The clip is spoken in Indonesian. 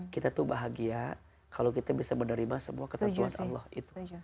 kita tuh bahagia kalau kita bisa menerima semua ketentuan allah itu